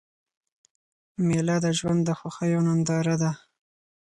مېله د ژوند د خوښیو ننداره ده.